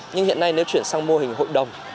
nhưng hiện nay nếu chuyển sang mô hình hội đồng